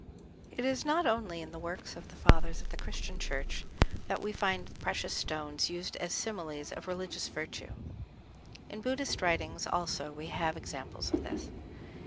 It is not only in the works of the Fathers of the Christian Church that we find precious stones used as similes of religious virtue, in Buddhist writings also we have examples of this.